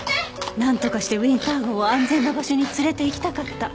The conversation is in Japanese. なんとかしてウィンター号を安全な場所に連れていきたかった。